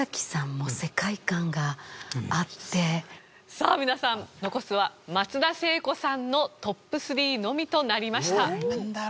さあ皆さん残すは松田聖子さんのトップ３のみとなりました。